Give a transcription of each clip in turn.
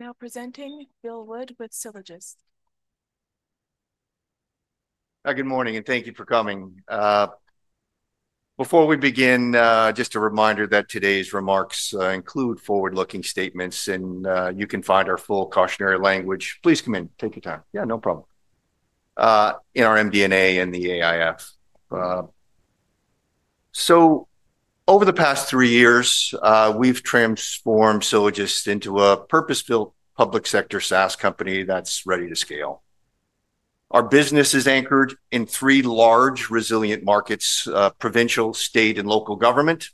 Now presenting Bill Wood with Sylogist. Good morning, and thank you for coming. Before we begin, just a reminder that today's remarks include forward-looking statements, and you can find our full cautionary language in our MD&A and the AIF. Please come in. Take your time. Yeah, no problem. Over the past three years, we've transformed Sylogist into a purpose-built public sector SaaS company that's ready to scale. Our business is anchored in three large, resilient markets: provincial, state, and local government,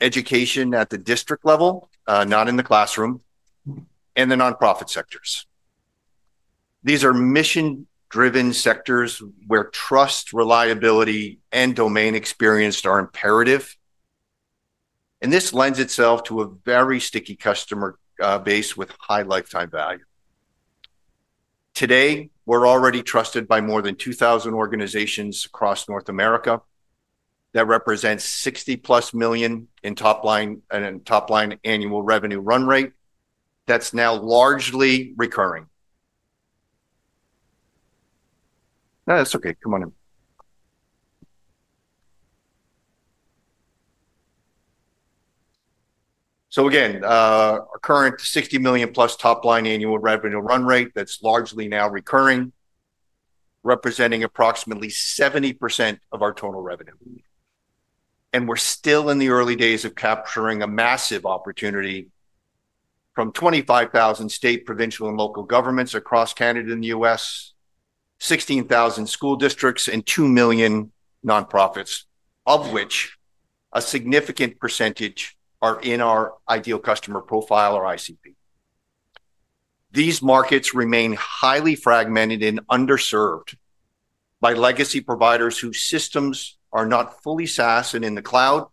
education at the district level, not in the classroom, and the nonprofit sectors. These are mission-driven sectors where trust, reliability, and domain experience are imperative. This lends itself to a very sticky customer base with high lifetime value. Today, we're already trusted by more than 2,000 organizations across North America. That represents $60 million-plus in top-line annual revenue run rate. That's now largely recurring. No, that's okay. Come on in. Our current $60 million-plus top-line annual revenue run rate is largely now recurring, representing approximately 70% of our total revenue. We're still in the early days of capturing a massive opportunity from 25,000 state, provincial, and local governments across Canada and the U.S., 16,000 school districts, and 2 million nonprofits, of which a significant percentage are in our ideal customer profile or ICP. These markets remain highly fragmented and underserved by legacy providers whose systems are not fully SaaS and in the cloud,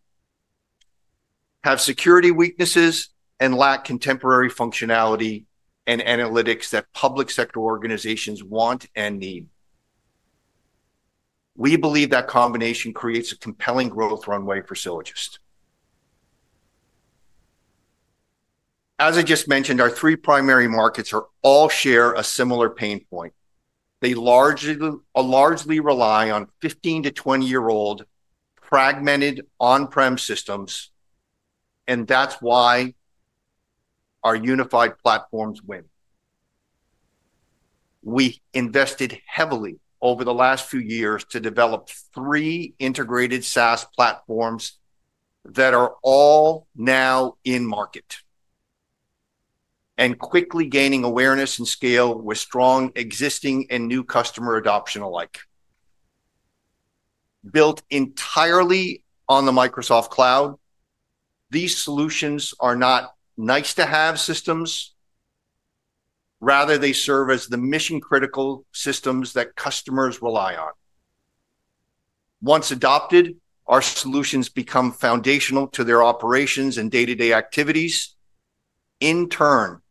have security weaknesses, and lack contemporary functionality and analytics that public sector organizations want and need. We believe that combination creates a compelling growth runway for Sylogist. As I just mentioned, our three primary markets all share a similar pain point. They largely rely on 15-year-old to 20-year-old fragmented on-prem systems, and that's why our unified platforms win. We invested heavily over the last few years to develop three integrated SaaS platforms that are all now in market and quickly gaining awareness and scale with strong existing and new customer adoption alike. Built entirely on the Microsoft Cloud, these solutions are not nice-to-have systems. Rather, they serve as the mission-critical systems that customers rely on. Once adopted, our solutions become foundational to their operations and day-to-day activities. In turn,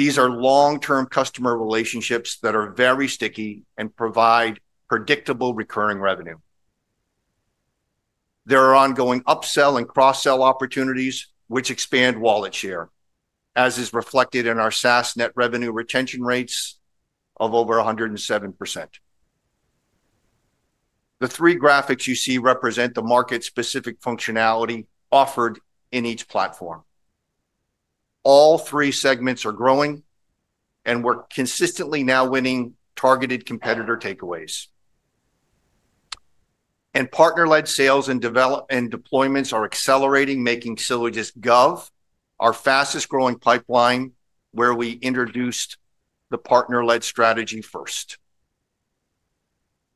these are long-term customer relationships that are very sticky and provide predictable recurring revenue. There are ongoing upsell and cross-sell opportunities, which expand wallet share, as is reflected in our SaaS net revenue retention rates of over 107%. The three graphics you see represent the market-specific functionality offered in each platform. All three segments are growing, and we're consistently now winning targeted competitor takeaways. Partner-led sales and development and deployments are accelerating, making Sylogist Gov our fastest growing pipeline where we introduced the partner-led strategy first.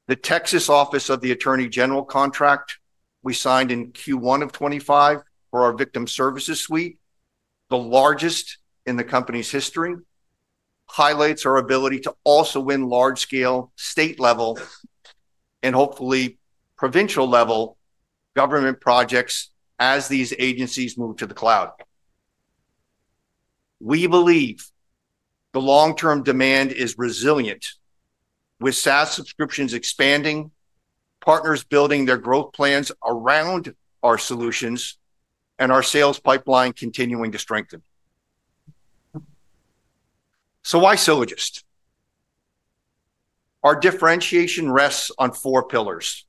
The Texas Office of the Attorney General contract we signed in Q1 of 2025 for our victim services suite, the largest in the company's history, highlights our ability to also win large-scale state-level and hopefully provincial-level government projects as these agencies move to the cloud. We believe the long-term demand is resilient with SaaS subscriptions expanding, partners building their growth plans around our solutions, and our sales pipeline continuing to strengthen. Why Sylogist? Our differentiation rests on four pillars: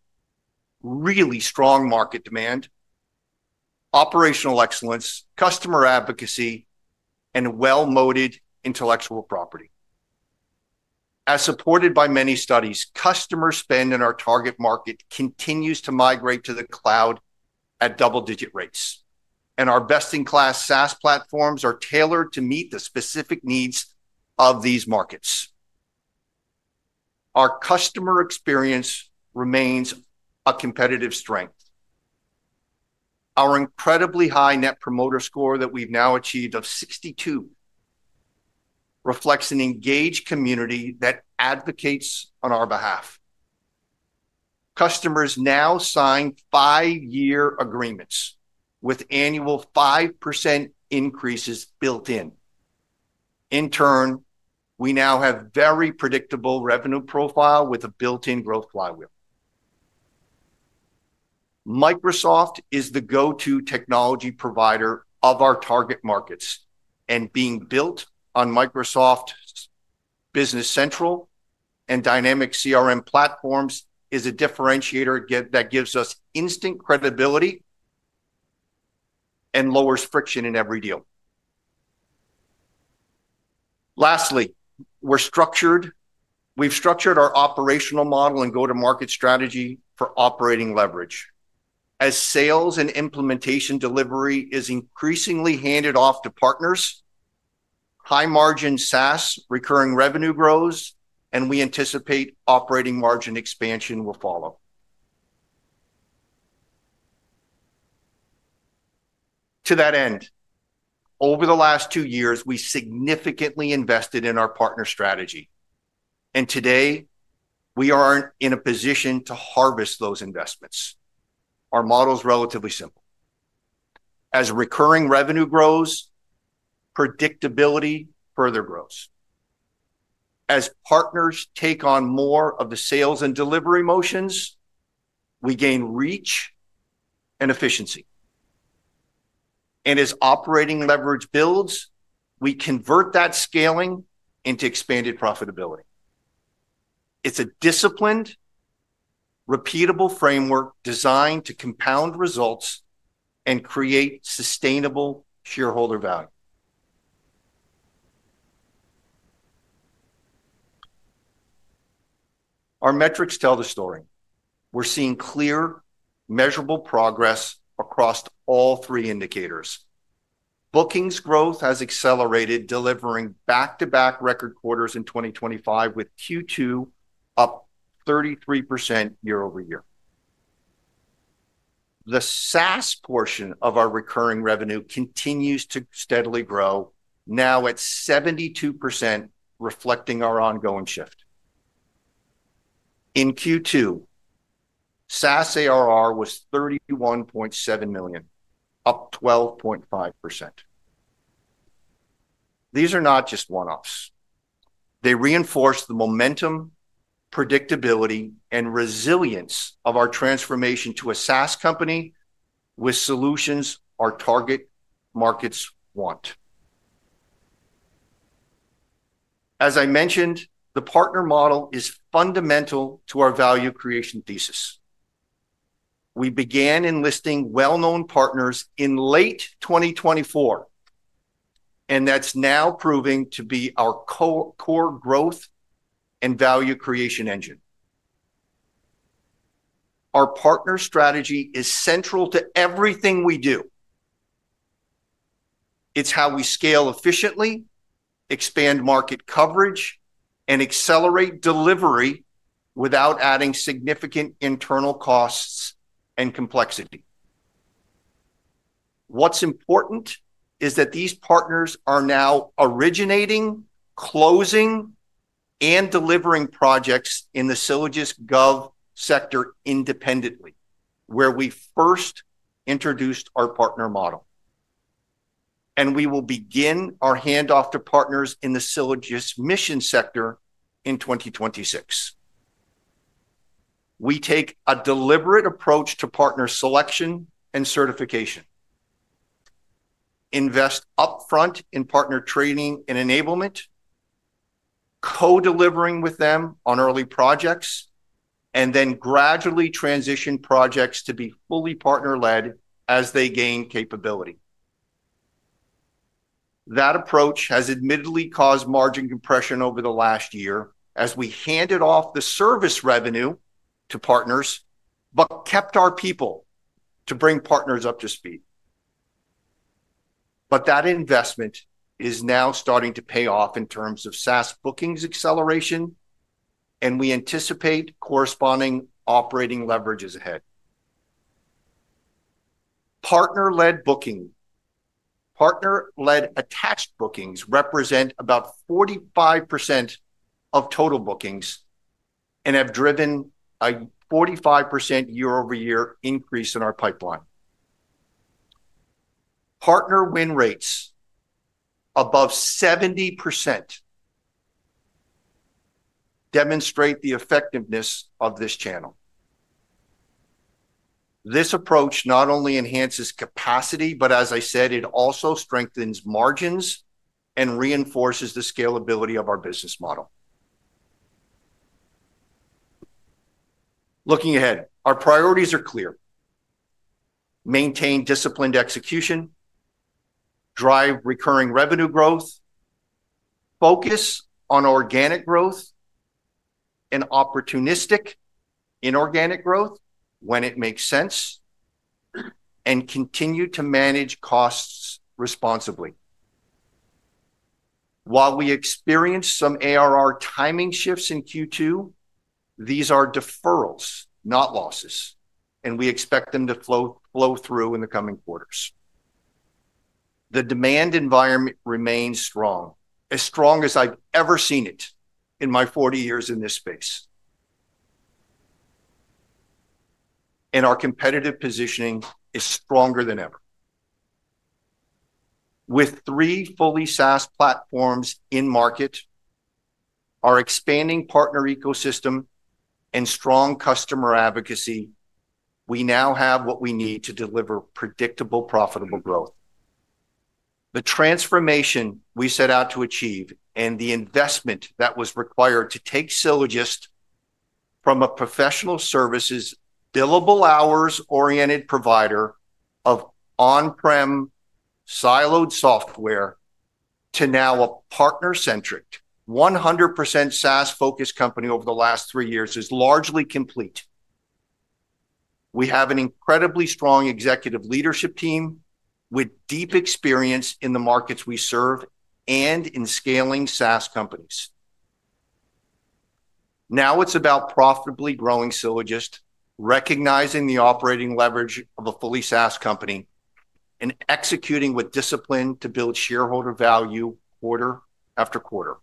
really strong market demand, operational excellence, customer advocacy, and well-moated intellectual property. As supported by many studies, customer spend in our target market continues to migrate to the cloud at double-digit rates. Our best-in-class SaaS platforms are tailored to meet the specific needs of these markets. Our customer experience remains a competitive strength. Our incredibly high net promoter score that we've now achieved of 62 reflects an engaged community that advocates on our behalf. Customers now sign five-year agreements with annual 5% increases built in. In turn, we now have a very predictable revenue profile with a built-in growth flywheel. Microsoft is the go-to technology provider of our target markets. Being built on Microsoft's Business Central and Dynamics CRM platforms is a differentiator that gives us instant credibility and lowers friction in every deal. Lastly, we've structured our operational model and go-to-market strategy for operating leverage. As sales and implementation delivery is increasingly handed off to partners, high-margin SaaS recurring revenue grows, and we anticipate operating margin expansion will follow. To that end, over the last two years, we significantly invested in our partner strategy. Today, we are in a position to harvest those investments. Our model is relatively simple. As recurring revenue grows, predictability further grows. As partners take on more of the sales and delivery motions, we gain reach and efficiency. As operating leverage builds, we convert that scaling into expanded profitability. It's a disciplined, repeatable framework designed to compound results and create sustainable shareholder value. Our metrics tell the story. We're seeing clear, measurable progress across all three indicators. Bookings growth has accelerated, delivering back-to-back record quarters in 2025, with Q2 up 33% year over year. The SaaS portion of our recurring revenue continues to steadily grow, now at 72%, reflecting our ongoing shift. In Q2, SaaS ARR was $31.7 million, up 12.5%. These are not just one-offs. They reinforce the momentum, predictability, and resilience of our transformation to a SaaS company with solutions our target markets want. As I mentioned, the partner model is fundamental to our value creation thesis. We began enlisting well-known partners in late 2024, and that's now proving to be our core growth and value creation engine. Our partner strategy is central to everything we do. It's how we scale efficiently, expand market coverage, and accelerate delivery without adding significant internal costs and complexity. What's important is that these partners are now originating, closing, and delivering projects in the Sylogist Gov sector independently, where we first introduced our partner model. We will begin our handoff to partners in the Sylogist mission sector in 2026. We take a deliberate approach to partner selection and certification, invest upfront in partner training and enablement, co-delivering with them on early projects, and then gradually transition projects to be fully partner-led as they gain capability. That approach has admittedly caused margin compression over the last year as we handed off the service revenue to partners but kept our people to bring partners up to speed. That investment is now starting to pay off in terms of SaaS bookings acceleration, and we anticipate corresponding operating leverages ahead. Partner-led bookings, partner-led attached bookings represent about 45% of total bookings and have driven a 45% year-over-year increase in our pipeline. Partner win rates above 70% demonstrate the effectiveness of this channel. This approach not only enhances capacity, but as I said, it also strengthens margins and reinforces the scalability of our business model. Looking ahead, our priorities are clear: maintain disciplined execution, drive recurring revenue growth, focus on organic growth and opportunistic inorganic growth when it makes sense, and continue to manage costs responsibly. While we experience some ARR timing shifts in Q2, these are deferrals, not losses, and we expect them to flow through in the coming quarters. The demand environment remains strong, as strong as I've ever seen it in my 40 years in this space. Our competitive positioning is stronger than ever. With three fully SaaS platforms in market, our expanding partner ecosystem, and strong customer advocacy, we now have what we need to deliver predictable, profitable growth. The transformation we set out to achieve and the investment that was required to take Sylogist from a professional services, billable hours-oriented provider of on-prem siloed software to now a partner-centric, 100% SaaS-focused company over the last three years is largely complete. We have an incredibly strong executive leadership team with deep experience in the markets we serve and in scaling SaaS companies. Now it's about profitably growing Sylogist, recognizing the operating leverage of a fully SaaS company, and executing with discipline to build shareholder value quarter after quarter.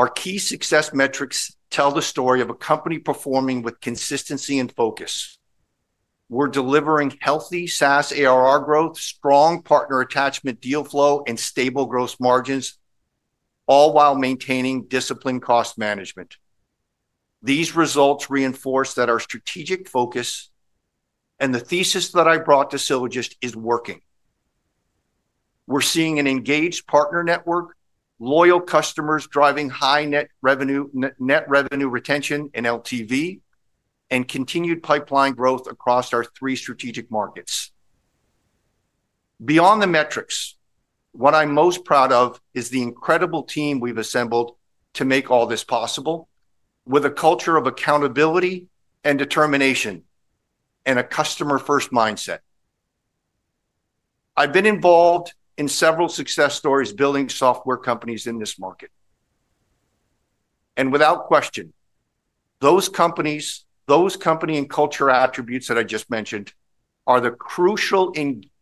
Our key success metrics tell the story of a company performing with consistency and focus. We're delivering healthy SaaS ARR growth, strong partner attachment deal flow, and stable gross margins, all while maintaining disciplined cost management. These results reinforce that our strategic focus and the thesis that I brought to Sylogist is working. We're seeing an engaged partner network, loyal customers driving high net revenue retention and LTV, and continued pipeline growth across our three strategic markets. Beyond the metrics, what I'm most proud of is the incredible team we've assembled to make all this possible with a culture of accountability and determination and a customer-first mindset. I've been involved in several success stories building software companies in this market. Without question, those company and culture attributes that I just mentioned are the crucial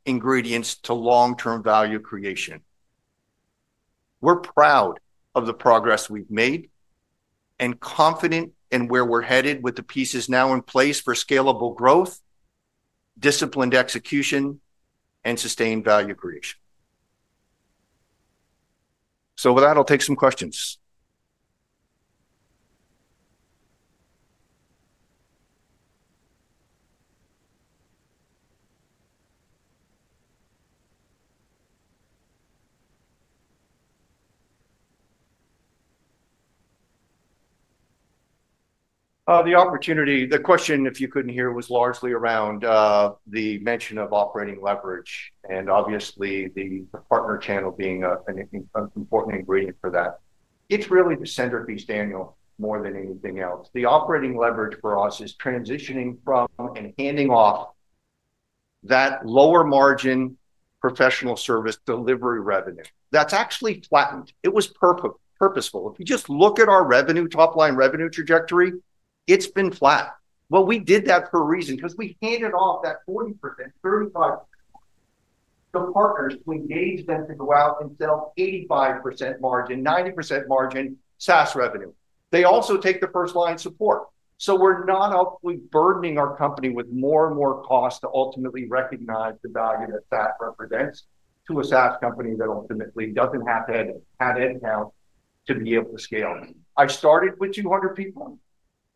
ingredients to long-term value creation. We're proud of the progress we've made and confident in where we're headed with the pieces now in place for scalable growth, disciplined execution, and sustained value creation. I'll take some questions. The opportunity, the question, if you couldn't hear, was largely around the mention of operating leverage and obviously the partner channel being an important ingredient for that. It's really the centerpiece, Daniel, more than anything else. The operating leverage for us is transitioning from and handing off that lower margin professional service delivery revenue. That's actually flattened. It was purposeful. If you just look at our revenue, top-line revenue trajectory, it's been flat. We did that for a reason because we handed off that 40%, 35% to partners to engage them to go out and sell 85% margin, 90% margin SaaS revenue. They also take the first-line support. We're not up, we're burdening our company with more and more costs to ultimately recognize the value that that represents to a SaaS company that ultimately doesn't have to have headcount to be able to scale. I started with 200 people.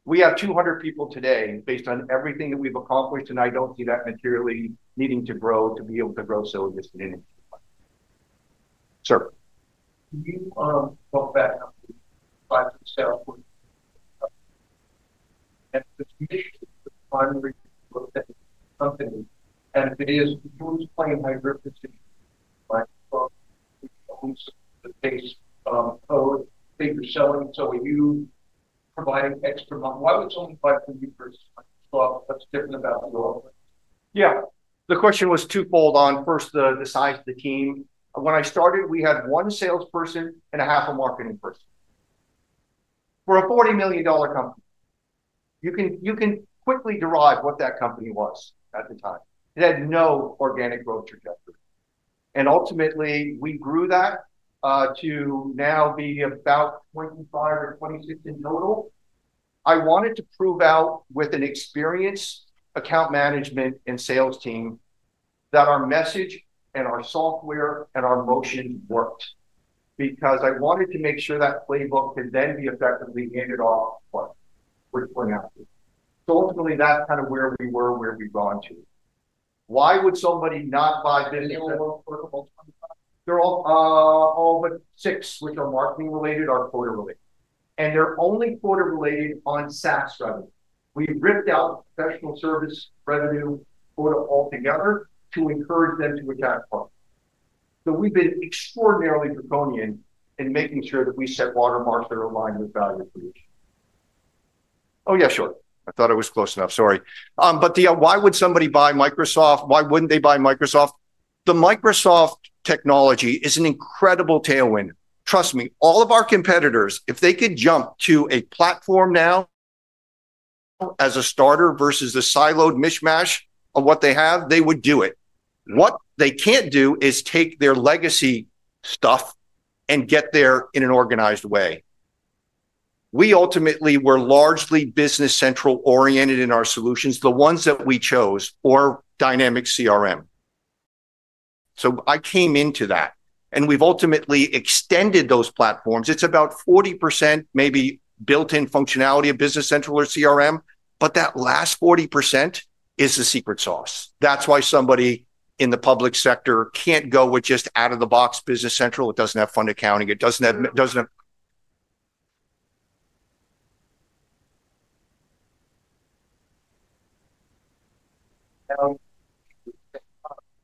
We have 200 people today based on everything that we've accomplished, and I don't see that materially needing to grow to be able to grow Sylogist in any way. Sir. Can you go back up to 5%? Is this mission the primary thing you look at the company? If it is, can you explain how you're positioned? Like folks, it's always the base code, bigger selling. Are you providing extra money? Why was it only 5% for you versus Microsoft? What's different about the offer? Yeah. The question was twofold. On first, the size of the team. When I started, we had one salesperson and a half a marketing person. We're a $40 million company. You can quickly derive what that company was at the time. It had no organic growth trajectory. Ultimately, we grew that to now be about 25 or 26 in total. I wanted to prove out with an experienced account management and sales team that our message and our software and our motion worked because I wanted to make sure that playbook could then be effectively handed off to the client, which we're now doing. Ultimately, that's kind of where we were, where we've gone to. Why would somebody not buy? Do you know how many clients work at Multiple? They're all, all but six, which are marketing-related, are quota-related. They're only quota-related on SaaS revenue. We ripped out professional service revenue quota altogether to encourage them to attach partners. We've been extraordinarily draconian in making sure that we set watermarks that are aligned with value creation. Oh, yeah, sure. I thought I was close enough. Sorry. Why would somebody buy Microsoft? Why wouldn't they buy Microsoft? The Microsoft technology is an incredible tailwind. Trust me, all of our competitors, if they could jump to a platform now as a starter versus a siloed mishmash of what they have, they would do it. What they can't do is take their legacy stuff and get there in an organized way. We ultimately were largely Business Central-oriented in our solutions, the ones that we chose, or Dynamics CRM. I came into that, and we've ultimately extended those platforms. It's about 40% maybe built-in functionality of Business Central or CRM, but that last 40% is the secret sauce. That's why somebody in the public sector can't go with just out-of-the-box Business Central. It doesn't have fund accounting. It doesn't have.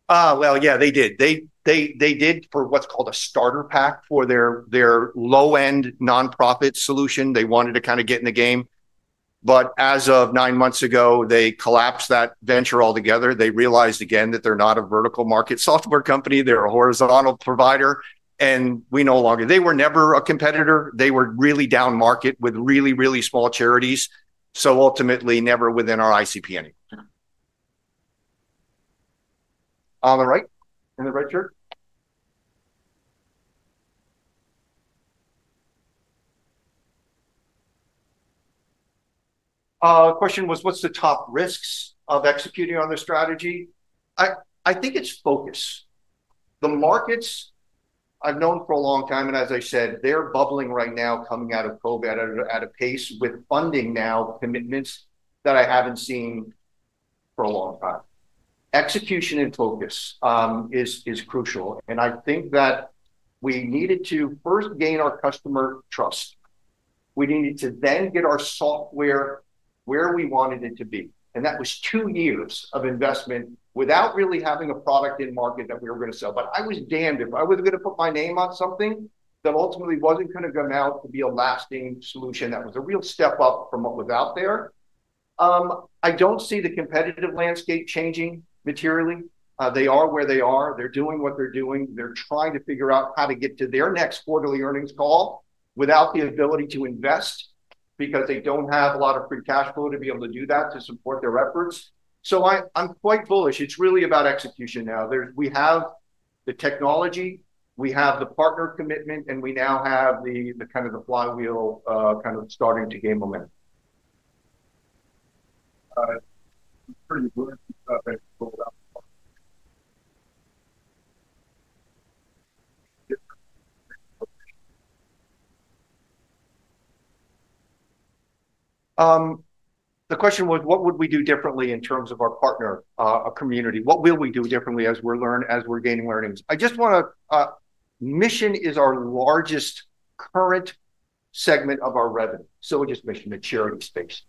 They did for what's called a starter pack for their low-end nonprofit solution. They wanted to kind of get in the game. As of nine months ago, they collapsed that venture altogether. They realized again that they're not a vertical market software company. They're a horizontal provider. We no longer, they were never a competitor. They were really down-market with really, really small charities. Ultimately, never within our ICP anymore. On the right, in the right chair. The question was, what's the top risks of executing on this strategy? I think it's focus. The markets I've known for a long time, and as I said, they're bubbling right now coming out of COVID at a pace with funding now commitments that I haven't seen for a long time. Execution and focus is crucial. I think that we needed to first gain our customer trust. We needed to then get our software where we wanted it to be. That was two years of investment without really having a product in market that we were going to sell. I was damned if I was going to put my name on something that ultimately wasn't going to come out to be a lasting solution that was a real step up from what was out there. I don't see the competitive landscape changing materially. They are where they are. They're doing what they're doing. They're trying to figure out how to get to their next quarterly earnings call without the ability to invest because they don't have a lot of free cash flow to be able to do that to support their efforts. I'm quite bullish. It's really about execution now. We have the technology. We have the partner commitment, and we now have the kind of the flywheel kind of starting to gain momentum. I'm pretty blue. The question was, what would we do differently in terms of our partner community? What will we do differently as we're learning, as we're gaining learnings? I just want to, mission is our largest current segment of our revenue. We just mentioned the charity space.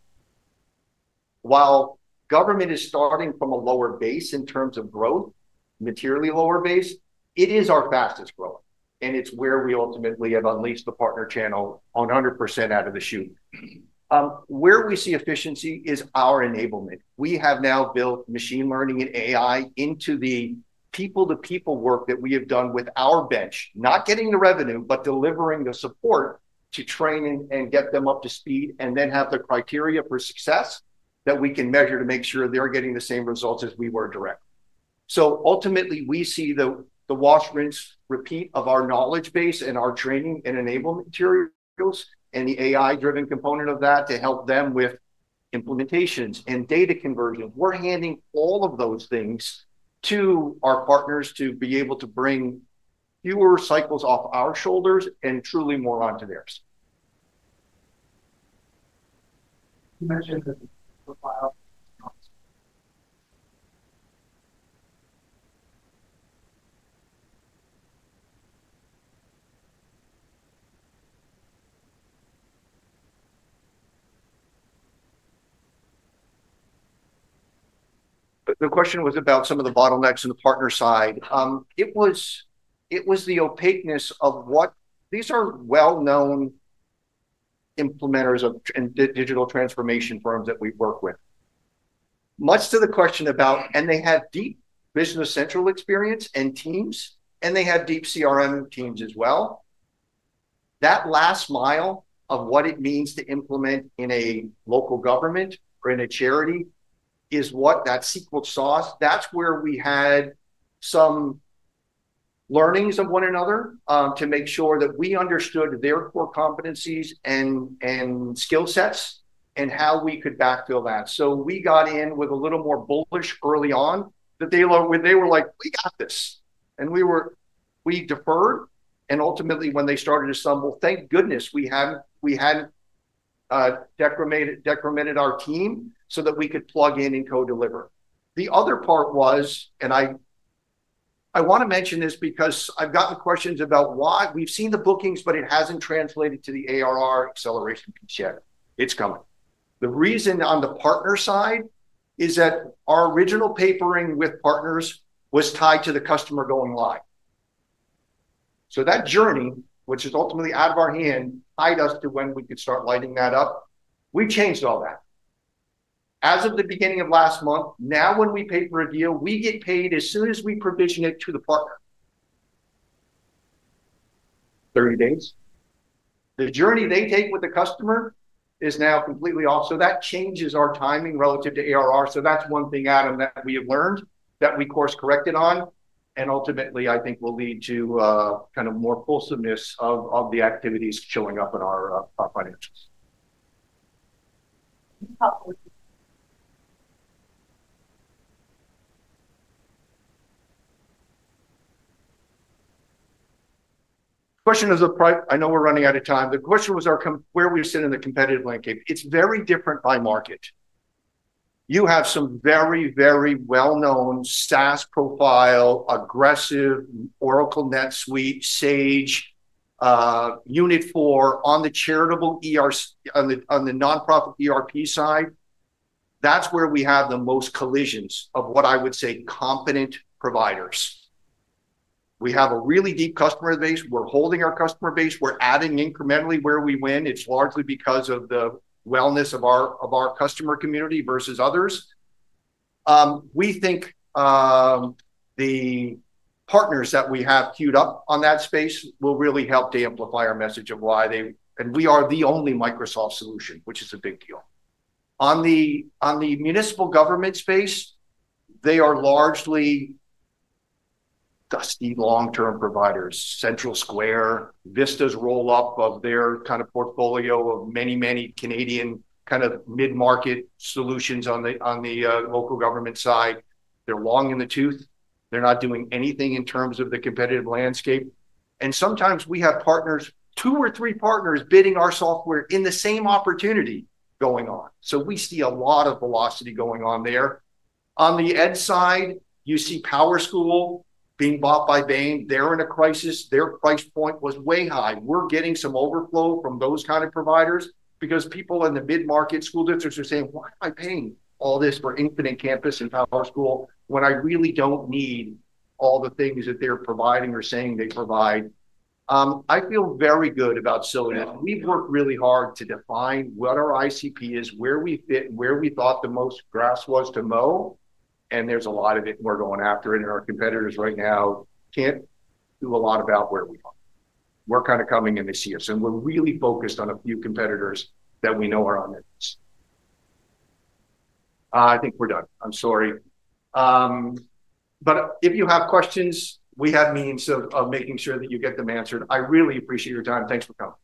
While government is starting from a lower base in terms of growth, materially lower base, it is our fastest growth. It's where we ultimately have unleashed the partner channel 100% out of the chute. Where we see efficiency is our enablement. We have now built machine learning and AI into the people-to-people work that we have done with our bench, not getting the revenue, but delivering the support to train and get them up to speed and then have the criteria for success that we can measure to make sure they're getting the same results as we were directly. Ultimately, we see the wash, rinse, repeat of our knowledge base and our training and enablement materials and the AI-driven component of that to help them with implementations and data conversions. We're handing all of those things to our partners to be able to bring fewer cycles off our shoulders and truly more onto theirs. The question was about some of the bottlenecks in the partner side. It was the opaqueness of what these are well-known implementers of digital transformation firms that we work with. Much to the question about, and they have deep Business Central experience and teams, and they have deep CRM teams as well. That last mile of what it means to implement in a local government or in a charity is what that sequence saw. That's where we had some learnings of one another to make sure that we understood their core competencies and skill sets and how we could backfill that. We got in a little more bullish early on that they were like, "We got this." We deferred. Ultimately, when they started to stumble, thank goodness we hadn't decremented our team so that we could plug in and co-deliver. The other part was, I want to mention this because I've gotten questions about why we've seen the bookings, but it hasn't translated to the ARR acceleration piece yet. It's coming. The reason on the partner side is that our original papering with partners was tied to the customer going live. That journey, which is ultimately out of our hand, tied us to when we could start lighting that up. We changed all that. As of the beginning of last month, now when we paper a deal, we get paid as soon as we provision it to the partner. Thirty days. The journey they take with the customer is now completely off. That changes our timing relative to ARR. That is one thing, Adam, that we have learned that we course-corrected on and ultimately I think will lead to kind of more fulsomeness of the activities showing up in our financials. The question is, I know we're running out of time. The question was where we sit in the competitive landscape. It's very different by market. You have some very, very well-known SaaS profile, aggressive Oracle NetSuite, Sage, Unit4 on the charitable, on the nonprofit ERP side. That is where we have the most collisions of what I would say competent providers. We have a really deep customer base. We're holding our customer base. We're adding incrementally where we win. It's largely because of the wellness of our customer community versus others. We think the partners that we have queued up on that space will really help to amplify our message of why they, and we are the only Microsoft solution, which is a big deal. On the municipal government space, they are largely dusty long-term providers. CentralSquare, Vista's roll-up of their kind of portfolio of many, many Canadian kind of mid-market solutions on the local government side. They're long in the tooth. They're not doing anything in terms of the competitive landscape. Sometimes we have partners, two or three partners bidding our software in the same opportunity going on. We see a lot of velocity going on there. On the ed side, you see PowerSchool being bought by Bain. They're in a crisis. Their price point was way high. We're getting some overflow from those kind of providers because people in the mid-market school districts are saying, "Why am I paying all this for Infinite Campus and PowerSchool when I really don't need all the things that they're providing or saying they provide?" I feel very good about Sylogist. We've worked really hard to define what our ICP is, where we fit, and where we thought the most grass was to mow. There is a lot of it, and we're going after it. Our competitors right now can't do a lot about where we are. We're kind of coming in to see us. We're really focused on a few competitors that we know are on their list. I think we're done. I'm sorry. If you have questions, we have means of making sure that you get them answered. I really appreciate your time. Thanks for coming.